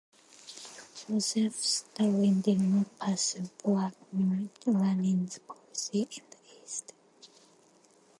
Joseph Stalin did not pursue Vladimir Lenin's policy in the East.